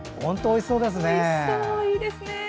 おいしそうですね！